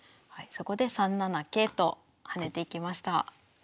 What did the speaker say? そこで３七桂と跳ねていきました。